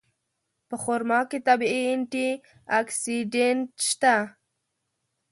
په خرما کې طبیعي انټي اکسېډنټ شته.